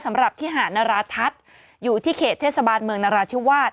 สำหรับที่หาดนราทัศน์อยู่ที่เขตเทศบาลเมืองนราธิวาส